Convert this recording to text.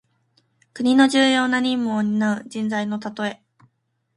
国の重要な任務をになう人材のたとえ。